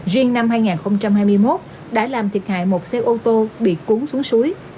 riêng năm hai nghìn hai mươi một đã làm thiệt hại một xe ô tô bị cuốn xuống suối